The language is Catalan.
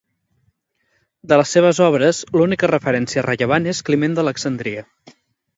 De les seves obres l'única referència rellevant es Climent d'Alexandria.